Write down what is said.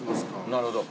なるほど。